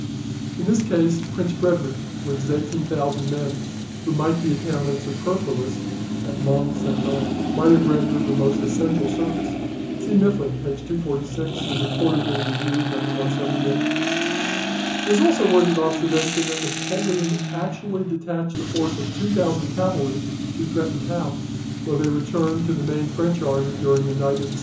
In this case Prince Frederick with his 18,000 men (who might be accounted superfluous at Mont St. Jean), might have rendered the most essential service." See Muffling, p. 246 and the QUARTERLY REVIEW, No. 178. It is also worthy of observation that Napoleon actually detached a force of 2,000 cavalry to threaten Hal, though they returned to the main French army during the night of the 17th.